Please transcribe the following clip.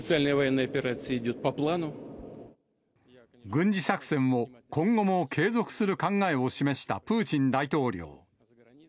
軍事作戦を今後も継続する考えを示したプーチン大統領。